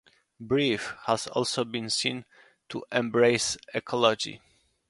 "Breathe" has also been seen to "embrace ecology".